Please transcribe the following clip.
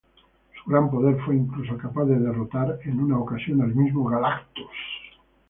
Su gran poder fue incluso capaz de derrotar en una ocasión al mismo Galactus.